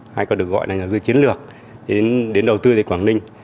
hay còn được gọi là nhà đầu tư chiến lược đến đầu tư tại quảng ninh